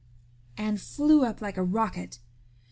Anne flew up like a rocket.